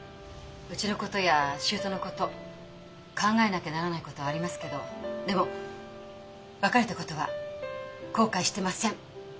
うちのことや姑のこと考えなきゃならないことはありますけどでも別れたことは後悔してません。